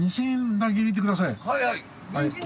はいはい。